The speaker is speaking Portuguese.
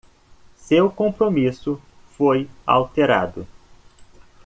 Seu compromisso foi alterado.